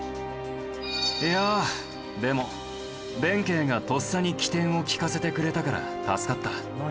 いやでも弁慶がとっさに機転を利かせてくれたから助かった。